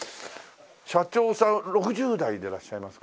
社長さん６０代でいらっしゃいますか？